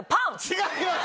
違います！